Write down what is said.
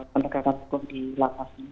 ya kita bukannya di lapas ini